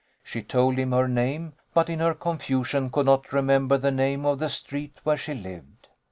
She told him her name, but in her confusion could not remember the name of the street where she lived.